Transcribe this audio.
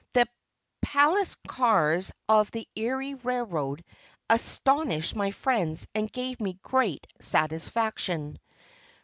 The Palace cars of the Erie Railroad astonished my friends and gave me great satisfaction.